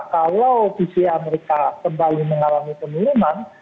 kalau pca amerika kembali mengalami penurunan